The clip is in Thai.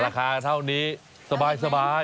ราคาเท่านี้สบาย